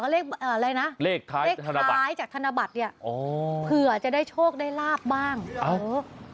เลขอะไรนะเลขท้ายจากธนบัตรเนี่ยเผื่อจะได้โชคได้ราบบ้างเออได้อย่างนั้น